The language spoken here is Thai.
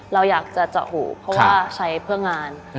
เราอยากจะเจาะหูเพราะว่าใช้เพื่องาน